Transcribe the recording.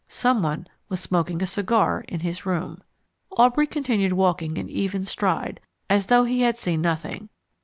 Someone was smoking a cigar in his room. Aubrey continued walking in even stride, as though he had seen nothing.